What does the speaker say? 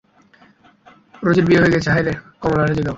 রোজির বিয়ে হয়ে গেছে, -হায়রে, কমলারে জিগাও!